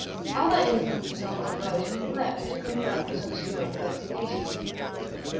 Other instances of his aversion leaped up to confirm his obscure investigation.